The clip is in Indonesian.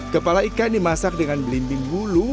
kepala ikan dimasak dengan belimbing bulu